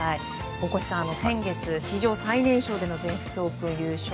大越さん、先月史上最年少での全仏オープン優勝。